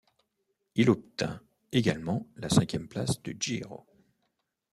Il obtint également la cinquième place du Giro.